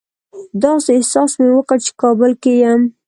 داسې احساس مې وکړ چې کابل کې یم.